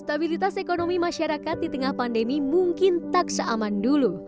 stabilitas ekonomi masyarakat di tengah pandemi mungkin tak seaman dulu